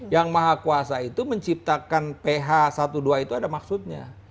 yang maha kuasa itu menciptakan ph satu dua itu ada maksudnya